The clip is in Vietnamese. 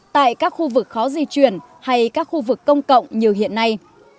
tại các khu vực khó di chuyển hay các khu vực công cộng như hiện nay